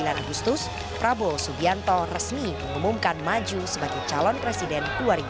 sembilan agustus prabowo subianto resmi mengumumkan maju sebagai calon presiden dua ribu dua puluh